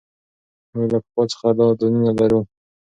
موږ له پخوا څخه دا دودونه لرو.